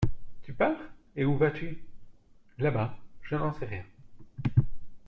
Tu pars, et où vas-tu ? Là-bas, je n'en sais rien.